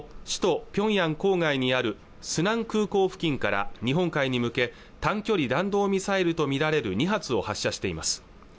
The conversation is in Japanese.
首都ピョンヤン郊外にあるスナン空港付近から日本海に向け短距離弾道ミサイルと見られる２発を発射しています